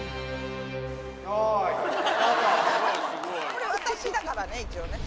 これ私だからね一応ね。